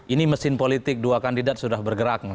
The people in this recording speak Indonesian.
ini mesin politik dua kandidat sudah bergerak